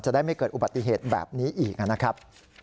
ได้ไม่เกิดอุบัติเหตุแบบนี้อีกนะครับ